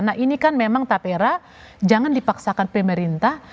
nah ini kan memang tapera jangan dipaksakan pemerintah